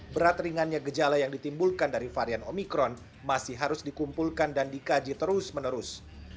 berat ringannya gejala yang ditimbulkan dari varian omikron masih harus dikumpulkan dan dikaji terus menerus